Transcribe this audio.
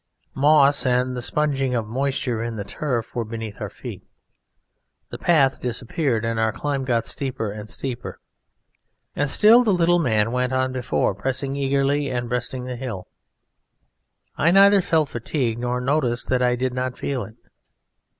Moss and the sponging of moisture in the turf were beneath our feet, the path disappeared, and our climb got steeper and steeper; and still the little man went on before, pressing eagerly and breasting the hill. I neither felt fatigue nor noticed that I did not feel it.